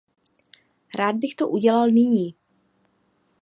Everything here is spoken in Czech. Rád bych to udělal nyní.